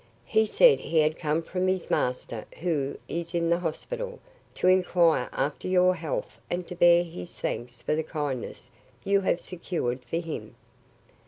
"He said he had come from his master, who is in the hospital, to inquire after your health and to bear his thanks for the kindnesses you have secured for him.